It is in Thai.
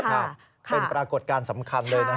เป็นปรากฎการณ์สำคัญเลยนะฮะ